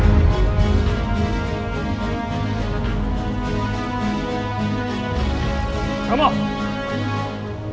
jangan berkata seperti itu